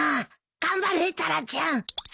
頑張れタラちゃん。